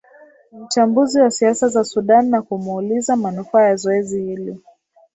mchambuzi wa siasa za sudan na kumuuliza manufaa ya zoezi hili